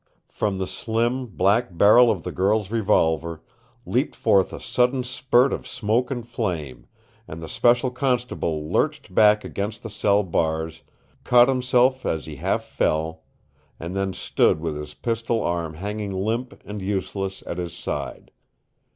From the slim, black barrel of the girl's revolver leaped forth a sudden spurt of smoke and flame, and the special constable lurched back against the cell bars, caught himself as he half fell, and then stood with his pistol arm hanging limp and useless at his side.